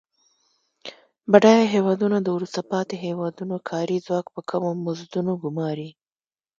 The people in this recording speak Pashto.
بډایه هیوادونه د وروسته پاتې هېوادونو کاري ځواک په کمو مزدونو ګوماري.